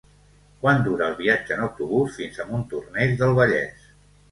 Quant dura el viatge en autobús fins a Montornès del Vallès?